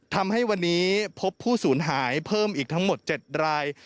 ทำให้วันนี้พบผู้สูญหายเพิ่มอีกทั้งหมด๗ราย